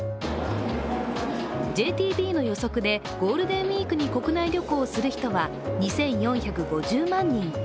ＪＴＢの予測でゴールデンウイークに国内旅行をする人は２４５０万人。